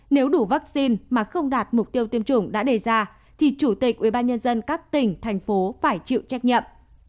nếu đủ vaccine mà không đạt mục tiêu tiêm chủng đã đề ra thì chủ tịch ubnd các tỉnh thành phố phải chịu trách nhiệm